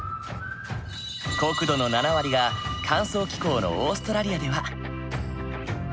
国土の７割が乾燥気候のオーストラリアでは。